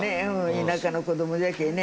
田舎の子どもじゃけぇね。